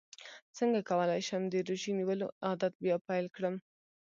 څنګه کولی شم د روژې نیولو عادت بیا پیل کړم